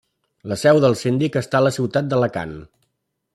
La seu del Síndic està a la ciutat d'Alacant.